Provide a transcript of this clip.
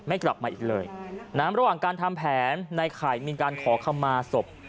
ไม่กลับมาอีกเลยระหว่างการทำแผนนายไข่มีการขอขมาสบ